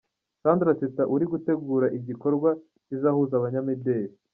Sandra Teta uri gutegura igikorwa kizahuza abanyamideli .